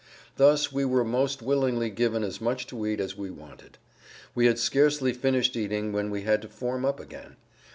Thus we were most willingly given as much to eat as we wanted. We had scarcely finished eating when we had to form up again.